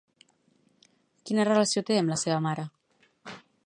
Quina relació té amb la seva mare?